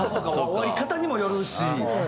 終わり方にもよるし。